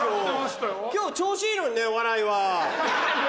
今日調子いいのにね笑いは。